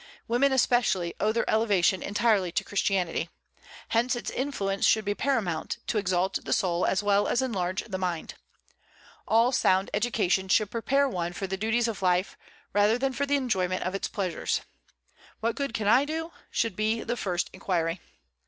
Women, especially, owe their elevation entirely to Christianity. Hence its influence should be paramount, to exalt the soul as well as enlarge the mind. All sound education should prepare one for the duties of life, rather than for the enjoyment of its pleasures. What good can I do? should be the first inquiry.